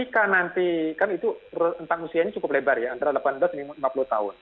kan itu usianya cukup lebar ya antara delapan belas dan lima puluh tahun